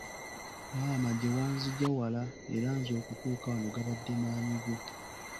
Maama gye wanzigya wala era nze okutuuka wano gabadde maanyi go.